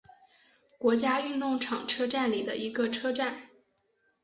国家运动场车站里的一个车站。